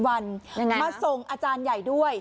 วันมาส่งอาจารย์ใหญ่ด้วย